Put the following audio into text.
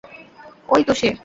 অই তো সে!